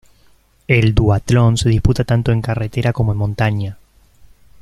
El duatlón se disputa tanto en carretera como en montaña.